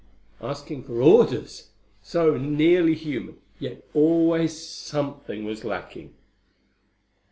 Asking for orders! So nearly human, yet always something was lacking!